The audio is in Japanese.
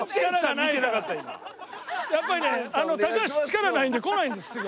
やっぱりね高橋力ないんで来ないんですすぐ。